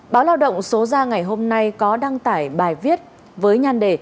báo lao động số ra ngày hôm nay có đăng tải bài viết với nhan đề